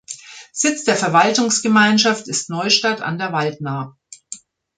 Sitz der Verwaltungsgemeinschaft ist Neustadt an der Waldnaab.